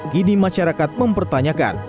kini masyarakat mempertanyakan